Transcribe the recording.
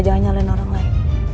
jangan nyalen orang lain